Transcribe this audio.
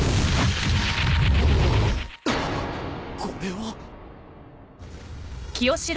これは。